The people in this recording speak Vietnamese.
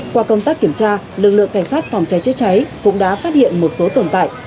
qua công tác kiểm tra lực lượng cảnh sát phòng cháy chữa cháy cũng đã phát hiện một số tồn tại